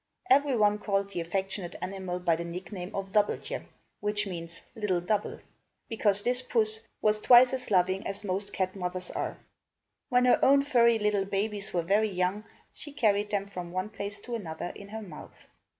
Every one called the affectionate animal by the nickname of Dub belt je', which means Little Double; because this puss was twice as loving as most cat mothers are. When her own furry little babies were very young, she carried them from one place to another in her mouth.